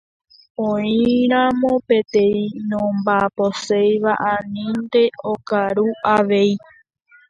Oĩramo peteĩ nomba'aposéiva anínte okaru avei.